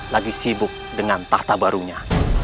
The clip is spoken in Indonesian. lagi sibuk dengan tahta barunya